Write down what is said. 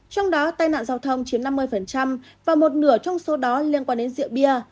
trong đó tai nạn giao thông chiếm năm mươi và một nửa trong số đó liên quan đến rượu bia